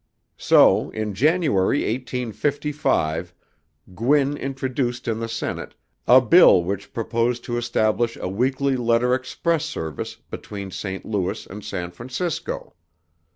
So in January, 1855, Gwin introduced in the Senate a bill which proposed to establish a weekly letter express service between St. Louis and San Francisco.